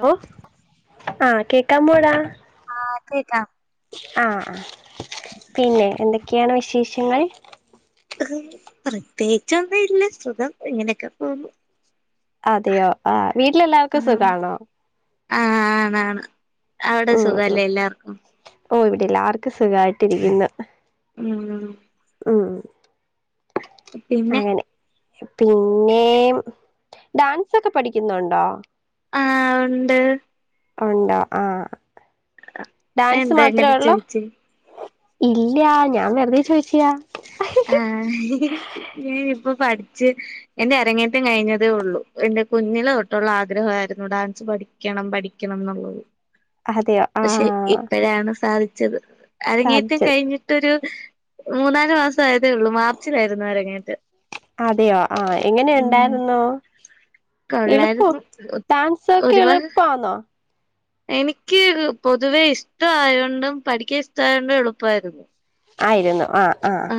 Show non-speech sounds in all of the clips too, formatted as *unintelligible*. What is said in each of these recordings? Hello ആഹ് കേക്കാമോടാ ആഹ് കേക്കാം ആഹ് ആഹ് പിന്നെ എന്തൊക്കെയാണ് വിശേഷങ്ങൾ പ്രത്യേകിച്ചൊന്നും ഇല്ല സുഖം ഇങ്ങനെയൊക്കെ പോന്നു അതെയോ ആഹ് വീട്ടിലെല്ലാവർക്കും സുഖാണോ ആഹ് ആന്നാന്ന് അവിടെ ഉം ഉം സുഖല്ലേ എല്ലാർക്കും ഓ ഇവിടെല്ലാർക്കും സുഖായിട്ടിരിക്കുന്നു ഉം ഉം പിന്നെ അങ്ങനെ പിന്നെ ഡാൻസൊക്കെ പഠിക്കുന്നുണ്ടോ ആഹ് ഒണ്ട് ഒണ്ടോ ആഹ് ഡാൻസ് എന്താ മാത്രേ അങ്ങനെ ഒള്ളോ ചോദിച്ചേ ഇല്ല ഞാൻ വെറുതെ ചോദിച്ചിയാ ആഹ് നീ ഇപ്പൊ പഠിച്ച് എന്റെ അരങ്ങേറ്റം കഴിഞ്ഞതേ ഉള്ളൂ എന്റെ കുഞ്ഞിലെ തൊട്ടുള്ള ആഗ്രഹായിരുന്നു ഡാൻസ് പഠി ക്കണം പഠിക്കണം ന്നുള്ളത് അതെയോ പക്ഷെ ആഹ് ഇപ്പോഴാണ് സാധിച്ചത് അരങ്ങേറ്റം സാധിച്ചത് കഴിഞ്ഞിട്ടൊരു മൂന്നാല്മാസം ആയതേ ഉള്ളൂ മാർച്ചിലായിരുന്നു അരങ്ങേറ്റം അതെയോ ആഹ് എങ്ങനെ ഉം ഉണ്ടായിരുന്നൂ എളുപ്പൊ കൊള്ളായിരുന്നു ഡാൻസൊക്കെ ഒരുപാട് എളുപ്പാന്നോ എനിക്ക് പൊതുവെ ഇഷ്ട ആയോണ്ടും പഠിക്കാൻ ഇഷ്ടായോണ്ടും എളുപ്പായിരുന്നു ആയിരുന്നു ആഹ് ആഹ്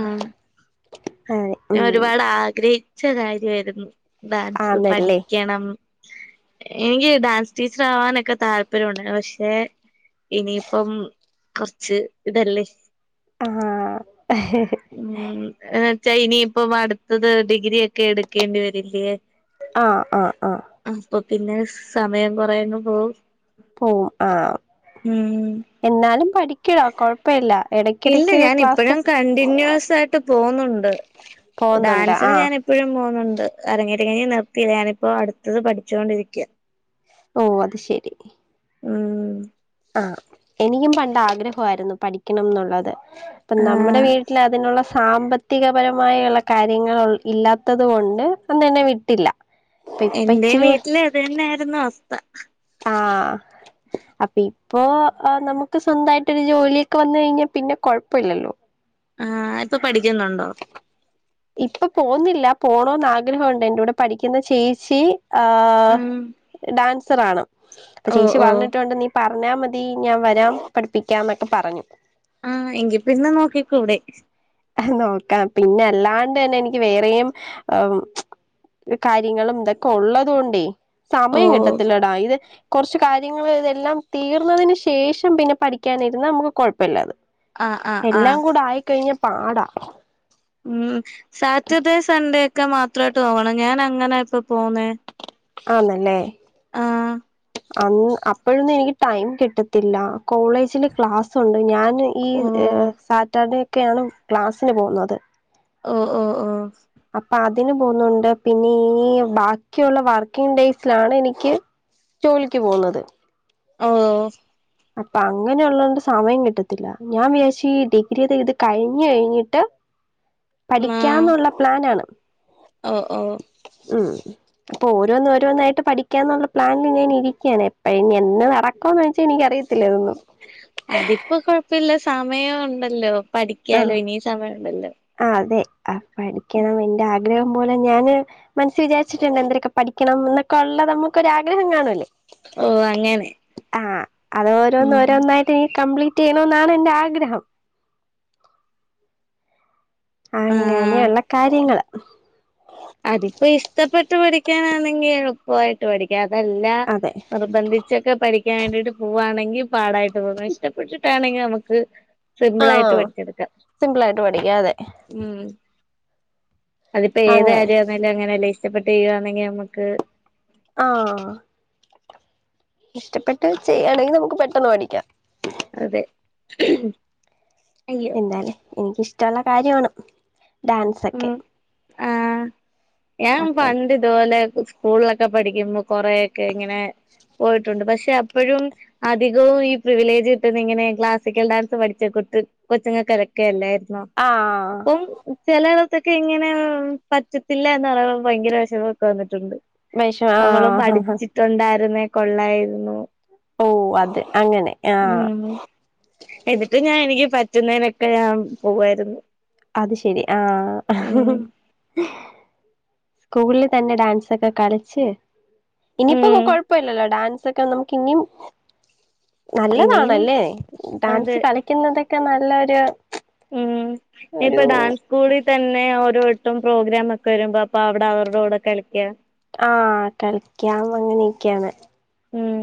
ഏ ഞാൻ ഉം ഒരുപാട് ആഗ്രഹിച്ച കാര്യമായിരുന്നു ഡാൻസ് ആന്നല്ലേ പഠിക്കണം എനിക്ക് ഡാൻസ് ടീച്ചർ ആവാനൊക്കെ താല്പര്യംണ്ട് പക്ഷെ ഇനിയിപ്പം കൊറച്ച് ഇതല്ലേ ആഹ് ഉം എന്നുവെച്ചാൽ ഇപ്പം അടുത്തത് ഡിഗ്രി ഒക്കെ എടുക്കേണ്ടി വരില്ലേ ആഹ് ആഹ് ആഹ് അപ്പൊ പിന്നെ സമയം കൊറെയങ് പോവും പോവും ആഹ് ഉം എന്നാലും പഠിക്കടൊ കൊഴപ്പമില്ല ഇല്ല ഞാൻ ഇപ്പോഴും കണ്ടിന്യൂസ് ആയിട്ട് പോന്നുണ്ട് പോകുന്നുണ്ട് ഡാൻസിന് ആഹ് ഞൻ ഇപ്പോഴും പോകുന്നുണ്ട് അരങ്ങേറ്റം കഴിഞ്ഞിട്ട് നിർത്തിയില്ല ഞാനിപ്പോ അടുത്തത് പഠിച്ചുകൊണ്ടിരിക്കയ ഓ അത് ശെരി ഉം ആഹ എനിക്കും പണ്ട് ആഗ്രഹമായിരുന്നു പഠിക്കണം എന്നുള്ളത് അപ്പം നമ്മുടെ ആഹ് വീട്ടിൽ അതിനുള്ള സാമ്പത്തികപരമായ്ള്ള കാര്യങ്ങള് ഇല്ലാത്തത് കൊണ്ട് അന്ന്ന്നെവിട്ടില്ല എന്റേം വീട്ടില് അതന്നെ ആയിരുന്നു അവസ്ഥ ആഹ് അപ്പ് ഇപ്പോ ആഹ് നമുക്ക് സ്വന്തമായിട്ടൊരു ജോലിയൊക്കെ വന്നേയ്ഞ്ഞ പിന്നെ കൊഴപ്പല്ലല്ലോ ആഹ് ഇപ്പ പഠിക്കുന്നുണ്ടോ ഇപ്പൊ പോന്നില്ല പോണോന് ആഗ്രഹോണ്ട് എന്റുടെ പഠിക്കുന്ന ചേച്ചി ആഹ് ഉം ഡാൻസറാണ് അപ്പ ഓ ചേച്ചി ഓ പറഞ്ഞിട്ടൊണ്ട് നീ പറഞ്ഞാ മതി ഞാൻ വരാം പഠിപ്പിക്കാം ന്നൊക്കെപറഞ്ഞു ആഹ് എങ്കിപിന്നെ നോക്കിക്കൂടെ നോക്കാം പിന്നെല്ലാണ്ടെന്നെ എനിക്ക് വേറേം കാര്യങ്ങളുംതൊക്കെ ഉള്ളത് കൊണ്ടേയ് ഓ സമയം കിട്ടത്തില്ലടാ ഇത് കൊറ്ച്ച് കാര്യങ്ങള് ഇതെല്ലാം തീർന്നതിന്ശേഷം പിന്നെ പഠിക്കാനെ ര്ന്ന നാമക്ക് കൊഴപ്പല്ലാ ആഹ് ആഹ് ആഹ് എല്ലാം കൂടആയിക്കഴിഞ്ഞ പാടാ ഉം സാറ്റർഡേ സൺഡേക്കെ മാത്രായിട്ട് പോവണം ഞാൻ അങ്ങനാ ഇപ്പ പോന്നേ ആഹ് നല്ലേ ആഹ് അന്ന് അപ്പഴൊന്നും എനിക്ക് ടൈം കിട്ടത്തില്ല കോളേജില് ക്ലാസ്സുണ്ട് ഞാൻ ഈ ഓ സാറ്റർഡേക്കെയാണ് ക്ലാസ്സിന് പോവുന്നത് ഓ ഒ അപ്പൊ അതിന് പോന്നുണ്ട് പിന്നെ ഈ ബാക്കിയുള്ള വർക്കിങ് ഡേയ്സിലാണ് എനിക്ക് ജോലിക്ക് പോവുന്നത് ഓ അപ്പൊ അങ്ങനെള്ളതോണ്ട് സമയം കിട്ടത്തില്ല ഞാൻ വിയാര്ശ് ഡിഗ്രിയെയ്ത് ഇത് കഴിഞ്ഞ് കഴിഞ്ഞ്ട്ട് പഠിക്ക്യാനുള്ള പ്ലനാണ് ഒ ഓ ഉം പ്പൊ ഓരോന്ന്ഓരോന്നായിട്ട് പഠിക്കാന്നുള്ള പ്ലാനില്നിരിക്കയാണ്പ്പ എന്ന നടക്കോന്ന് ചോച്ചാനിക്ക്‌ അറി ത്തില്ലേ രുന്നു അതിപ്പോ കൊഴപ്പല്ല സമയംണ്ടല്ലോ പഠിക്ക്യാലോ ഇനി സമയണ്ടല്ലോ ആഹ് അതെ പഠിക്ക്യണം ഇന്റെ ആഗ്രഹം പോലെ ഞാന് മനസിവിചാരിച്ച്ട്ട്ണ്ട് എന്തരക്കെ പഠിക്കണം ഇള്ളെ ഒള്ളത് നമുക്കൊരാഗ്രഹം കാണുവല്ലേ ഓ അങ്ങനെ ആഹ് അത് ഓരോന്ന് ഉം ഓരോന്നായിട്ട് ഇനി കംപ്ലീറ്റ് ചെയ്യണന്നാണ് എന്റെ ആഗ്രഹം ആഹ് അങ്ങനെള്ള കാര്യങ്ങള് അതിപ്പോ ഇഷ്ടപ്പെട്ട് പഠിക്കാനാണെങ്കി എളുപ്പായിട്ട് പഠിക്കാ അതല്ല അതെ നിർബന്ധി ച്ചൊക്കെ പഠിക്കാൻ വേണ്ടിട്ട് പോവാണെങ്കി പാടായിട്ട് പോകും ഇഷ്ടപ്പെട്ടിട്ടാണെങ്കി നമുക്ക് ആ സിംബ്ളായിട്ട് വടിച്ചെട്ക്കാ സിമ്പിൾ ആയിട്ട് പഠിക്കാം അതെ ഉം അതിപ്പ അങ്ങനെ ഏതയാ നാലും അങ്ങനെയല്ലേ ഇഷ്ടപ്പെട്ട് ചെയ്യുണങ്ങി നമക്ക് ആഹ് ഇഷ്ടപ്പെട്ട് ചെയ്യാണെങ്ങിനമുക്ക് പെട്ടെന്ന് പടിക്കാ അതെ അയ്യോ എന്താലേ എനിക്കിഷ്ടള്ള കാര്യാണ് ഡാൻസക്കെ ഉം ആഹ് ഞാ അപ്പം പണ്ട്ത് പോലെ സ്കൂളിലക്കെ പഠികുന്നു കൊറക്കെ ഇങ്ങനെ പോയിട്ടുണ്ട് പഷേ ഇപ്പഴും അധികവും ഈ പ്രിവിലേജ്ട്ടുന്ന ഇങ്ങനെ ക്ലാസ്സിക്കൽ ഡാൻസ് പഠിച്ചക്കൊട്ട് കൊച്ചുങ്ങക്കതക്കെ എല്ലാര്ന്നോ ആ പ്പം ച്ചെലളത്തൊക്കെ ഇങ്ങനെ പറ്റത്തില്ല എന്ന് ഭയങ്കര വിഷമൊക്കെ വന്നിട്ടുണ്ട് വൈഷ ആ അമ്മള് പഠിച്ചിട്ടുണ്ടായിരുന്നേ കൊള്ളായിരുന്നു ഓ അത് അങ്ങനെ ആഹ് ഉം എന്നിട്ട് ഞാൻ എനിക്ക് പറ്റുന്നതിനൊക്കെ ഞാൻ പോവായിര്ന്ന് അത് ശെരി ആഹ് സ്കൂളില് തന്നെ ഡാൻസൊക്കെ കളിച്ച് ഇനിയിപ്പോ ഉം കൊഴപ്പല്ലല്ലോ ഡാൻസൊക്കെ ന്നമുക്ക് ഇന്നിം ഇനിയും നല്ലതാണല്ലേ അത് ഡാൻസ് കളിക്കുന്നതൊക്കെ ന്നല്ലൊരു ഉം ഇപ്പ ഡാൻ സ്കൂളിൽ തന്നെ ഓരോട്ടും പ്രോഗ്രാം ഒക്കെവരുമ്പോ അപ്പൊ അവിടെ അവരുടെകൂടെ കളിക്കാ. ആഹ് കളിക്കാം അങ്ങനെയൊക്കെയാണ്. ഉം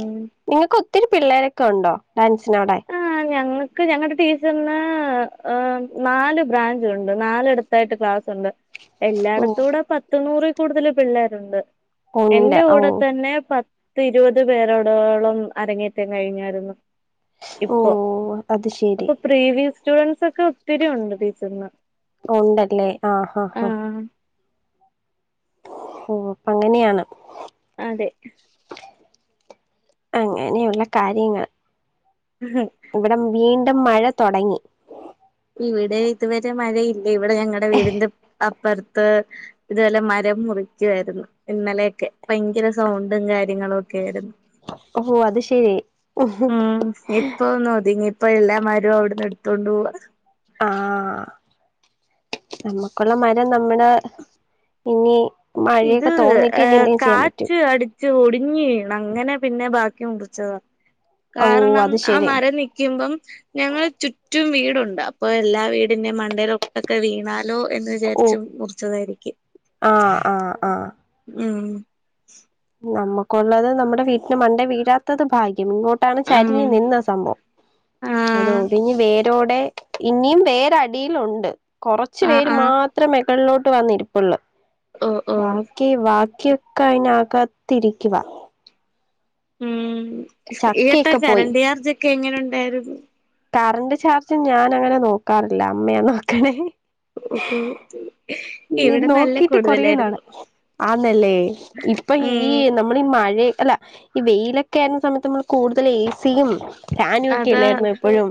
നിങ്ങൾക്ക് ഒത്തിരി പിള്ളേരൊക്കെണ്ടോ ഡാൻസിനോടെ? ആഹ് ഞങ്ങൾക്ക് ഞങ്ങളുടെ ടീച്ചറിന്ന് ഹ് ഉം നാല് ബ്രാഞ്ച് ഉണ്ട് നാലെട് ത്തായിട്ട് ക്ലാസുണ്ട് ഓഹ് എല്ലായിടത്തുടെ പത്ത് നൂറിൽ കൂടുതല് പിള്ളേരുണ്ട്. ഉണ്ട് എന്റെ ഓഹ് കൂടെതന്നെ പത്ത് ഇരുപത് പേരോടോളം അരങ്ങേറ്റം കഴിഞ്ഞായിരുന്നു. ഇപ്പൊ ഓഹ് അത് ശരി അപ്പൊ പ്രീവിയസ് സ്റ്റുഡന്റ്സ് ഒക്കെഒത്തിരിഉണ്ട് ടീച്ചർന്ന്. ഉണ്ടല്ലേ ആഹ് ആഹ് ഹ ഹോ പ്പഅങ്ങനെയാണ്. അതെ അങ്ങനെയുള്ള കാര്യങ്ങള് ഇഹ് ഇവിടം വീണ്ടും മഴതൊടങ്ങി. ഇവിടെ ഇതുവരെ മഴയില്ല ഇവിടെ ഞങ്ങടെ വീടിന്റെ അപ്പർത്ത് ഇതുപോലെ മരംമുറിക്കുവായിരുന്നു. ഇന്നലെയൊക്കെ ഭയങ്കരസൗണ്ടും കാര്യങ്ങളും ഒക്കെ ആയിരുന്നു. ഓഹോ അത് ശെരി ഉം എപ് പ്പൊഒന്ന് ഒതുങ്ങി ഇപ്പൊഎല്ലാമരോം അവിടുന്ന് എടുത്തോണ്ട് പോവാ. ആഹ് നമ്മക്കുള്ളമരം ന്നമ്മള് ഇഞ്ഞി ഇത് ഏ കാറ്റ് അടി ച്ച് ഒടിഞ് വീണ് അങ്ങനെ പിന്നെ ബാക്കി മുറിച്ചതാ ഓ കാരണം അത് ആ ശരി മരം നി ക്കുമ്പം ഞങ്ങള് ചുറ്റുംവീടുണ്ട് അപ്പൊ എല്ലാ വീടിന്റെ മണ്ടയിലൊട്ടൊക്കെ വീണാ ലോ എന്ന് ഓ വിചാരിച്ചും മുർച്ചതായിരിക്കും. ആഹ് ആഹ് ആഹ് ഉം നമ്മക്കൊള്ളത് ന്നമ്മടെ വീട്ട്ന് മണ്ടേ വീഴാത്തത് ഭാഗ്യം ഇങ്ങോട്ടാണ് ആഹ് ചരിഞ്ഞ് നിന്നസംഭവം. ആഹ് അതൊടിഞ്ഞ് ഇനി വേരോടെ ഇനിം വേരടിയിലൊണ്ട്. കൊറച്ച് ആഹ് പേര് ആഹ് മാത്രം മെകളിലോട്ട് വന്നിരിപ്പൊള്ള അഹ് അഹ് വാക്കി വാക്കിയൊക്കെ അയ്നകത്തിരിക്കുവാ. ഉം ചക്കയൊക്കെ പോയി ഈത്തക്കാരണ്ട് ചാർജ് ഒക്കെ എങ്ങനെ ഉണ്ടായിരുന്നു. കറണ്ട് ചാർജ് ഞാനങ്ങനെ നോക്കാറില്ല അമ്മയാ നോക്കണേ. ഉംഹ് ഉം ഈ നോക്കിട്ട് കൊറെന്നാളാ ആന്നല്ലേ ഇപ്പ ഈ ഉം നമ്മ ന്നമ്മളീ ഈ മഴേ അല്ല ഈ വെയിലൊക്കെ ആയിരുന്ന സമയത്ത് ന്നമ്മൾ കൂടുതൽ എ സിയും ഫാനു അതാ ഒക്കെല്ലായിരുന്നോ എപ്പഴും.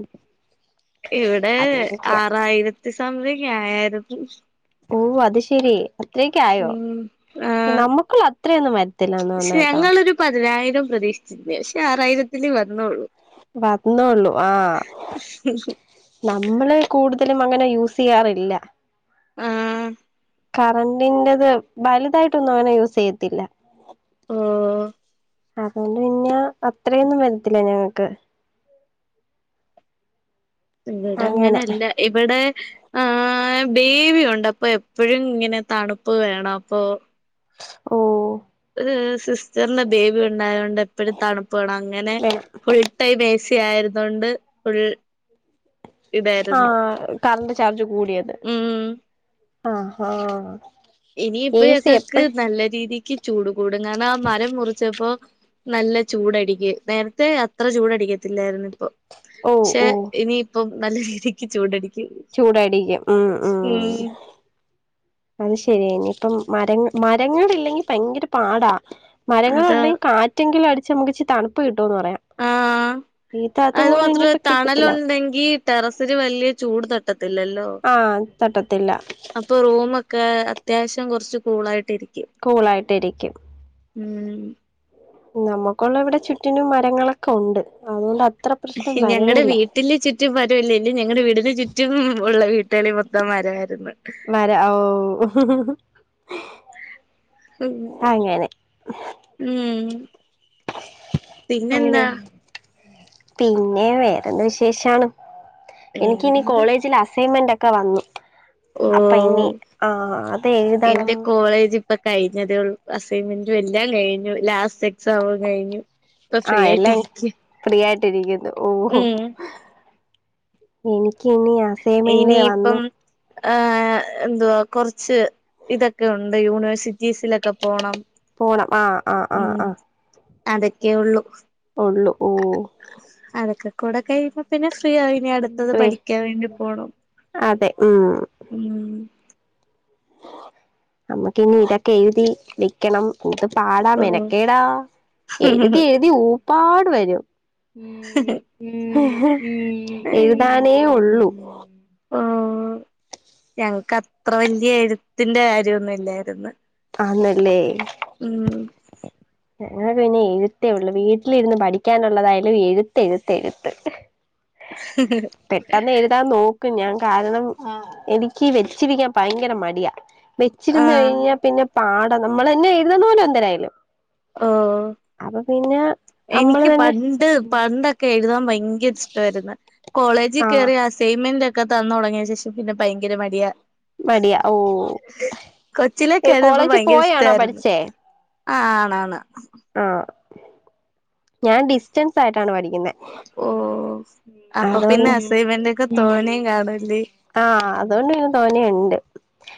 ഇവിടെ അതിന്റെയൊക്കെയാ ആറായിരത്തി സംതിങ്ങ് ആയായിരുന്നു. ഓഹ് അത് ശരി അത്രയൊക്കെ ആയോ? ഉം ആ നമ്മക്കുള്ള അത്രയൊന്നും വരത്തില്ല എന്ന് പക്ഷെ തോന്നുന്നുകെട്ടോ. ഞങ്ങളൊരു പതിനായിരം പ്രതീക്ഷിച്ചിരുന്നേ പക്ഷേ ആറായിരത്തില് വന്നൊള്ളൂ. വന്നൊള്ളു ആഹ് ന്നമ്മള് കൂടുതലും അങ്ങനെ യൂസെയ്യാറില്ല. ആഹ് കറണ്ടിന്റെത് വലുതായിട്ടൊന്നും അങ്ങനെ യൂസ് ചെയ്യത്തില്ല. ഓഹ് അതോണ്ട് പിന്നെ അത്രയൊന്നും വരത്തില്ല ഞങ്ങക്ക് ഇവടെ അങ്ങനെ അങ്ങനെല്ലാ ഇവടെ ആഹ് ബേബിയുണ്ട് അപ്പൊ എപ്പഴും ഇങ്ങനെ തണുപ്പ് വേണം അപ്പോ ഓഹ് ഒര് സിസ്റ്ററ്ന് ബേബി ഉണ്ടായോണ്ട് എപ്പഴും തണുപ്പ് വേണം അങ്ങനെ വേണം ടൈം ഏ സി ആയിരുന്നോണ്ട് ഫുൾ ഇതായിരുന്നു ആഹ് കറന്റ് ചാർജ് കൂടിയത് ഉം ആഹ് ആഹ് ഇനി എ ഇപ്പൊ സി ഞങ്ങക്ക് എപ്പഴ നല്ല രീതിക്ക് ചൂട് കൂടും കാരണം ആ മരം മുറിച്ചപ്പോ നല്ല ചൂട് അട്ക്കി നേരത്തെ അത്ര ചൂട് അടിക്കത്തില്ലാരുന്നു ഇപ്പൊ ഓ പക്ഷേ ഓ ഇനിയിപ്പം നല്ല രീതിക്ക് ചൂട് അടിക്ക്യും ചൂട് അടിക്ക്യും ഉം ഉം അത് ശരിയേനി ഇപ്പം മരങ്ങള് മരങ്ങളില്ലെങ്കി ഭയങ്കര പാടാ മരങ്ങള് അതാ ഉണ്ടെങ്കി കാറ്റെങ്കിലും അടിച്ച് നമുക്ക് ഇച്ച് തണുപ്പ് കിട്ടോന്ന് പറയാം ആഹ് ഇതത് അത് പോലെ മാത്രേ ഇനിയിപ്പ കിട്ടത്തില്ല തണലുണ്ടെങ്കി ടെറസില് വല്ല്യ ചൂട് തട്ടത്തില്ലല്ലോ ആഹ് തട്ടത്തില്ല അപ്പോ റൂമൊക്കെ അത്യാവശ്യം കൊറച്ച് കൂളായിട്ട് ഇരിക്ക്യും കൂളായിട്ട് ഇരിക്ക്യും ഉം നമക്കുള്ളെ ഇവടെ ചുറ്റിനും മരങ്ങളൊക്കെ ഉണ്ട് അതുകൊണ്ട് അ ഞങ്ങടെ വീ ട്ടില് ചുറ്റും മരം ഇല്ലേനി നിങ്ങടെ വീടിന് ചുറ്റും ഉള്ള വീട്ടില് മൊത്തം മരയായിരുന്നു മര ഓഹ് *unintelligible* ഉം പിന്നെന്താ അങ്ങനെയാ പിന്നെ വേറെന്ത് വിശേഷാണ് എനിക്കിനി വേറെന്ത് കോളേജില് അസൈമെന്റൊക്കെ വന്നു അപ്പൊ ഇനി ഓഹ് ആ അത് എഴുതണം ഇന്റെ കോളേജ് ഇപ്പ കഴിഞ്ഞതേള്ളു അസൈമെന്റും എല്ലാം കഴിഞ്ഞു ലാസ്റ്റ് എക്സാമും കഴിഞ്ഞു ഇപ്പൊ ഫ്രീ ആഹ് എല്ലാം ആയിട്ടിരിക്ക ഫ്രീയായിട്ടിരിക്ക്യുന്നു ഓഹ് ഉം എനിക്ക്യ് ഇനിയാ ഇനിയിപ്പം ആഹ് എന്തുവാ കൊറച്ച് ഇതൊക്കെ ഉണ്ട് യൂണിവേഴ്സിറ്റീസിലൊക്കെ പോണം പോണം ആഹ് ആഹ് ആഹ് ആഹ് അതൊക്കെയുള്ളു ഉള്ളു ഓഹ് അതൊക്കെ കൂടെ കഴിയുമ്പോ പിന്നെ ഫ്രീയായി ഇനി അട്ത്തത് വേ പഠിക്ക്യാൻ വേണ്ടി പോണം അതെ ഉം ഉം അമ്മക് ഇനി ഇതൊക്കെ എഴുതി വെ ക്ക്യണം എന്ത് പാടാ ഓ മെനക്കേടാ എഴുതി എഴുതി ഊപ്പാട് വരും എഴുതാനേ ഉള്ളു ആഹ് ഞങ്ങക്കത്ര വല്ല്യ എഴുത്തിന്റെ കാര്യൊന്നു ഇല്ലാരുന്നു ആന്നല്ലേ ഉം ഞങ്ങൾ പിന്നെ എഴുത്തേ ഉള്ളു വീട്ടിലിന്ന് പഠിക്കാനുള്ളതായാലും എഴുത്ത് എഴുത്ത് എഴുത്ത് *unintelligible* പെട്ടെന്ന് എഴു എതാ നോക്കും ഞാൻ കാരണം എനിക്ക് വെച്ചിരിക്കാൻ ഭയങ്കര മടിയാ വെച്ചിരുന്നു ആഹ് കഴിഞ്ഞാ പിന്നെ പാട നമ്മൾ തന്നെ എഴുതുന്ന പോലെ എന്തേരായാലും ഓഹ് നമ്മള് എനിക്ക് തന്നെ പണ്ട് പണ്ട എഴുതാൻ ഭയങ്കര ഇഷ്ടമായിരുന്നു കോളേജിൽ ആഹ് കയറിയ അസൈൻമെന്റ് ഒക്കെ ക്കെ തന്ന തുടങ്ങിയ ശേഷം പിന്നെ ഭയങ്കര മടിയ മടിയാ ഓ കൊച്ചിലൊക്കൊയിരുന്നു ഇപ്പൊ കോളേജിൽ ഭയങ്കര പോയാണോ ഇഷ്ടമായിരുന്നു പഠിച്ചേ ആ ആണ ആണ് ആഹ് ഞാൻ ഡിസ്റ്റൻസ് ആയിട്ടാണ് പഠിക്കുന്നത് ഓഹ് അതൊണ്ട് കാണൂല്ലേ ആഹ് അതുകൊണ്ട് പിന്നെ തോന്നിുണ്ട്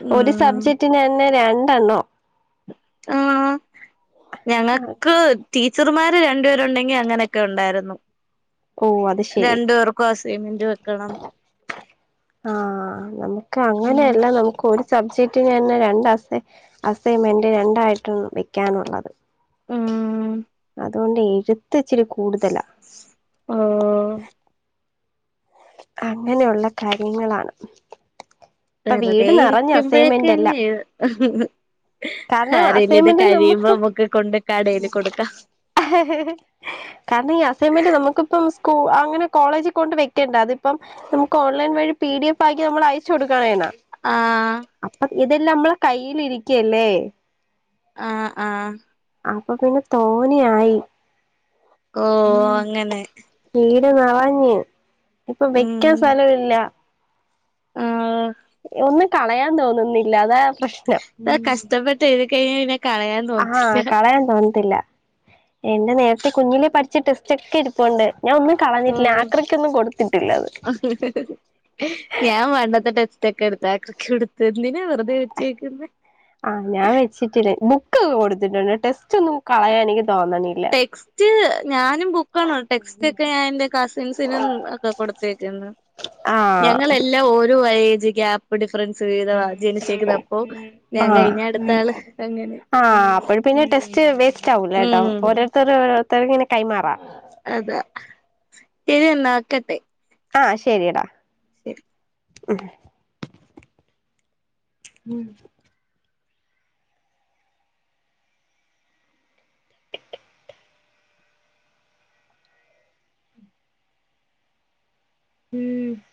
ഉം സബ്ജെക്റ്റന് തന്നെ രണ്ടെണ്ണോ ആഹ് ഞങ്ങക്ക് ടീച്ചർമാര് രണ്ടുപേരുണ്ടെങ്കിൽ അങ്ങനെയൊക്കെ ഉണ്ടായിരുന്നു ഓഹ് അത ശരി രണ്ടു പേർക്കും ആ സിമെന്റ് വെക്കണം ആഹ് നമുക്ക് ഉം അങ്ങനെയല്ലാം നമുക്ക് ഒരു സബ്ജക്റ്റ തന്നെ രണ്ട് അസ അസൈൻമെന്റ് രണ്ടായിട്ടാണ് വെക്കാനുള്ളത് ഉം അതുകൊണ്ട് എഴുത്ത് ഇച്ചിരി കൂടുതലാ ആഹ് അങ്ങനെയുള്ള കാര്യങ്ങളാണ് ഇപ്പൊ വെറുതെ വീട് നിറഞ്ഞ് ഇരിക്കുമ്പോഴൊക്കെ അസൈൻമെന്റ് എങ്ങെ എല്ലാം കാരണം സാരില്ല ഇത് അസൈൻമെന്റ് കഴിയുമ്പോ നമുക്ക് ഒക്കെ കൊണ്ടക്കടന് കൊടുക്കാം *unintelligible* കാരണം ഈ അസൈൻമെന്റ് നമുക്കിപ്പം സ്കൂ അങ്ങനെ കോളേജിൽ കൊണ്ട് വെക്കണ്ട അതിപ്പം നമുക്ക് ഓൺലൈൻ വഴി പി ഡി എഫ് ആക്കി നമ്മൾ അയച്ചു കൊടുക്കണേനാ ആഹ് അപ്പൊ ഇതെല്ലാം നമ്മളെ കയ്ൽിരിക്കല്ലേ ആഹ് ആഹ് അപ്പൊ പിന്നെ തോനിയായി ഓ അങ്ങനെ വീട് നിറഞ്ഞഞ് ഇപ്പൊ വെക്കാൻ ഉം സ്ഥലം ഇില്ല ആഹ് ഒന്നും കളയാൻ തോന്നുന്നില്ല അതാ പ്രശ്‌നം കഷ്ടപ്പെട്ട് എഴുതി കഴിഞ്ഞാ പിന്നെ കളയാൻ ആഹ് തോന്നത്തില്ല കളയാൻ തോന്നത്തില്ല എന്റെ നേരത്തെ കുഞ്ഞിലെ പഠിച്ച ടെസ്റ്റ ഒക്കെ എടുപ്പണ്ട് ഞാൻ ഒന്നും കളഞ്ഞിട്ടില്ല ഉം ആക്രയ്ക്കൊന്നും കൊടുത്തിട്ടില്ലത് ആഹ് വണ്ടത്തെ ടെസ്റ്റ് എടുത്ത് ആക്രിക് കൊട്ത്ത് എന്തിനാ വെറു ആഹ് ഞാൻ വ സിത്തില് ബുക്ക് കൊടുത്തിട്ടുണ്ട്. ടെസ്റ്റൊന്നും കളയാന് എനിക്ക് തോന്നണ്ല്ല. ക്സ്റ്റ് ഞാനും ബു ക്കാണോ ടെസ്റ്റ് ഒക്കെ ഞാൻ ഇന്റെ കസിൻസിനും ഒക്കെ കൊടുത്തയക്കുന്ന്. ആഹ് ഞങ്ങളെൽ ല്ല ഓരോ വേജ് ഗ്യാപ് ഇപ്പ ഡിഫറൻസ് വീവിതവാ ജനിച്ചേക്കുന്നത്. അപ്പോ ഞാൻ കഴിഞ്ഞ അടുത്ത ആള് അങ്ങനെ ആ അപ്പൊഴ് പിന്നെ ടെസ്റ്റ് വേസ്റ്റ് ആവൂല കെട്ടോ. ഉം ഓരോരുത്തര് ഓരോരുത്തർ ഇങ്ങനെ കൈമാറാ. അതെ ശരി ന്നാക്കട്ടെ ആ ശെരി എടാ ശരി ഉം ഉം ഉം